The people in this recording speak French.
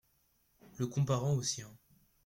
Le comparant au sien.